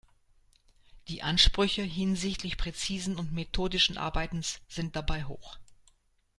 Die Ansprüche hinsichtlich präzisen und methodischen Arbeitens sind dabei hoch.